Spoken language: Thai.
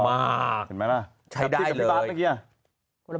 เห็นไหมล่ะ